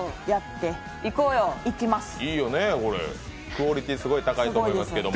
クオリティーすごい高いと思いますけど。